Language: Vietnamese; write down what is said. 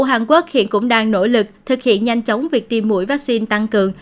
ông cũng yêu cầu các bệnh nhân nặng chóng việc tiêm mũi vaccine tăng cường